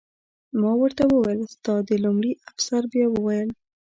ما ورته وویل: ستا د... لومړي افسر بیا وویل.